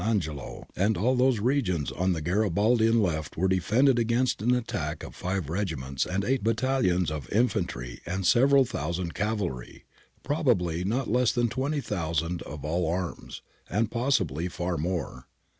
Angelo, and all those regions on the Gari baldian left were defended against an attack of five regiments and eight battalions of infantry and several thousand cavalry — probably not less than 20,000 of all arms, and possibly far more.